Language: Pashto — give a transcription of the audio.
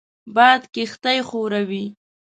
باد کښتۍ ښوروي